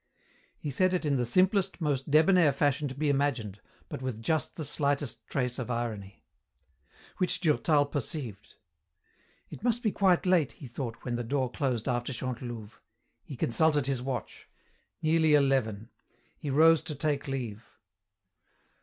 He said it in the simplest, most debonair fashion to be imagined, but with just the slightest trace of irony. Which Durtal perceived. "It must be quite late," he thought, when the door closed after Chantelouve. He consulted his watch. Nearly eleven. He rose to take leave.